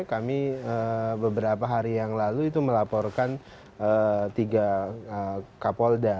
kami beberapa hari yang lalu itu melaporkan tiga kapolda